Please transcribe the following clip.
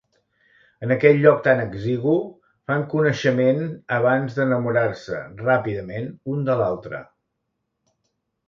En aquest lloc tan exigu, fan coneixement abans d'enamorar-se, ràpidament, un de l'altre.